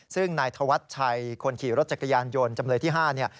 ซึ่งนายธวัชชัยคนขี่รถจักรยานยนต์จำเลยที่๕เนี่ย